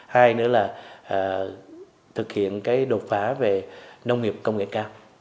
hai nữa là thực hiện cái đột phá về nông nghiệp công nghệ cao